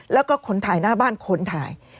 แล้วก็คนถ่ายหน้าบ้านคนถ่าย